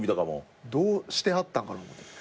どうしてはったんかな思うて。